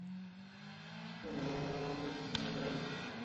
袁彬人。